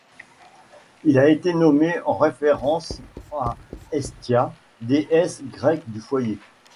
Il a été nommé en référence à Hestia, déesse grecque du foyer.